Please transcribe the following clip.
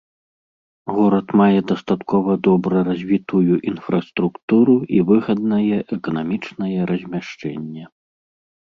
Горад мае дастаткова добра развітую інфраструктуру і выгаднае эканамічнае размяшчэнне.